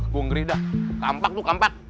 gue ngeri dah kampak tuh kampak